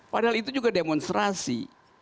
padahal itu juga demonstrasi